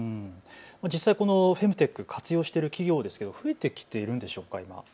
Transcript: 実際、フェムテック、活用している企業なんですが増えてきているんでしょうか。